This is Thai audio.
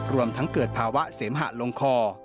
รวมทั้งเกิดภาวะเสมหะลงคอ